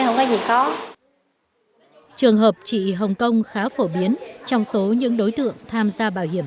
không có gì khó trường hợp trị hồng kông khá phổ biến trong số những đối tượng tham gia bảo hiểm